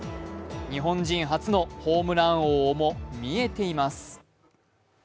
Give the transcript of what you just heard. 日本人初のホームラン王も見えています。